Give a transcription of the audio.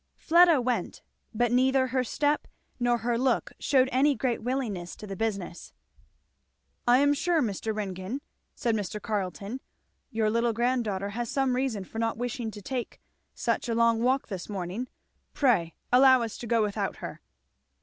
Fleda went, but neither her step nor her look shewed any great willingness to the business. "I am sure, Mr. Ringgan," said Mr. Carleton, "your little granddaughter has some reason for not wishing to take such a long walk this morning. Pray allow us to go without her."